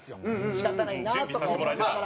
仕方ないなと思いながら。